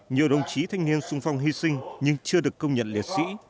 nhiều đồng chí thanh niên sung phong hy sinh nhưng chưa được công nhận liệt sĩ